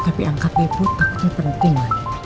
tapi angkat depo takutnya penting